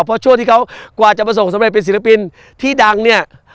เพราะช่วงที่เขากว่าจะประสบสำเร็จเป็นศิลปินที่ดังเนี่ย